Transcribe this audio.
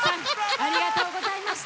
ありがとうございます。